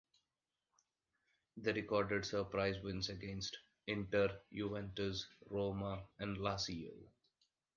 They recorded surprise wins against Inter, Juventus, Roma and Lazio.